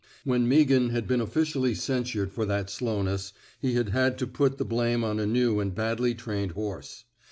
When Meaghan had been officially censured for that slowness, he had had to put the blame on a new and badly trained horse.